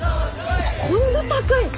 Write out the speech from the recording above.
ここんな高いの？